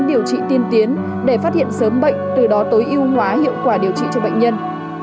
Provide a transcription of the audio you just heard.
điều trị tiên tiến để phát hiện sớm bệnh từ đó tối ưu hóa hiệu quả điều trị cho bệnh nhân